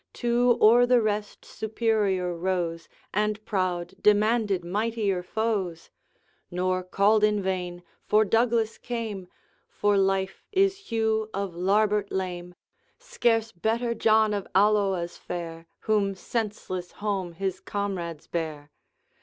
Two o'er the rest superior rose, And proud demanded mightier foes, Nor called in vain, for Douglas came. For life is Hugh of Larbert lame; Scarce better John of Alloa's fare, Whom senseless home his comrades bare.